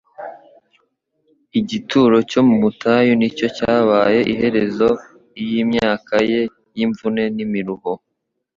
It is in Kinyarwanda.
Igituro cyo mu butayu ni cyo cyabaye iherezo iy'imyaka ye y'imvune n'imiruho.